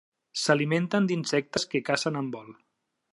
S'alimenten d'insectes que cacen en vol.